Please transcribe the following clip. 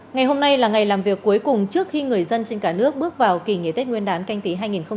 ngày hôm nay là ngày làm việc cuối cùng trước khi người dân trên cả nước bước vào kỳ nghỉ tết nguyên đán canh tí hai nghìn hai mươi